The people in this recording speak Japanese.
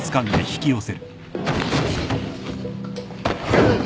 うっ。